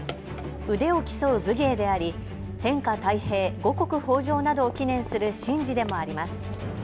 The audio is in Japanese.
腕を競う武芸であり天下太平、五穀豊じょうなどを祈念する神事でもあります。